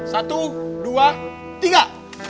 satu dua tiga